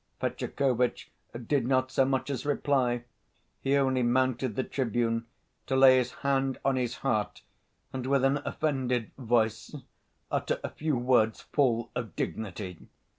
Fetyukovitch did not so much as reply; he only mounted the tribune to lay his hand on his heart and, with an offended voice, utter a few words full of dignity.